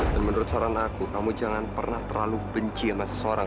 dan menurut soran aku kamu jangan pernah terlalu benci sama seseorang